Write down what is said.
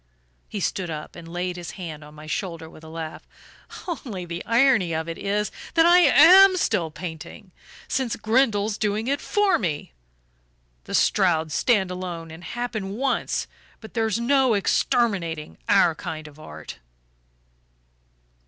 He stood up and laid his hand on my shoulder with a laugh. "Only the irony of it is that I AM still painting since Grindle's doing it for me! The Strouds stand alone, and happen once but there's no exterminating our kind of art."